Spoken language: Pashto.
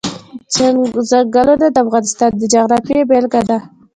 چنګلونه د افغانستان د جغرافیې بېلګه ده.